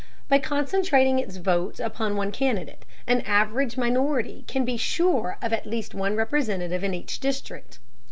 By concentrating its votes upon one candidate, an average minority can be sure of at least one representative in each district.